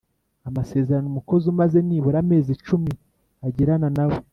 amasezerano umukozi umaze nibura amezi cumi agirana nawe